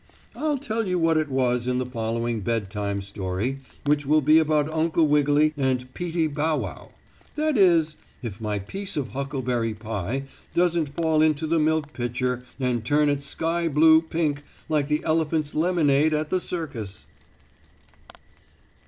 I'll tell you what it was in the following Bedtime Story which will be about Uncle Wiggily and Peetie Bow Wow that is, if my piece of huckleberry pie doesn't fall into the milk pitcher and turn it sky blue pink like the elephant's lemonade at the circus.